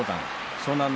湘南乃